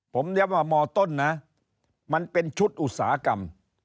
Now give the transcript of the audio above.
ผมย้ำว่ามต้นนะมันเป็นชุดอุตสาหกรรม